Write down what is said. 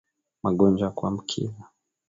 magonjwa ya kuambukiza